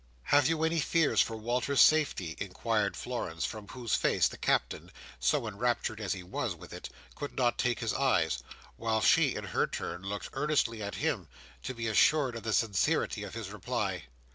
"Have you any fears for Walter's safety?" inquired Florence, from whose face the Captain (so enraptured he was with it) could not take his eyes: while she, in her turn, looked earnestly at him, to be assured of the sincerity of his reply.